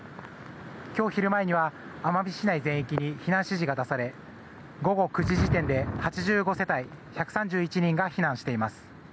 今日昼前には奄美市内全域に避難指示が出され午後９時時点で、８５世帯１３１人が避難しています。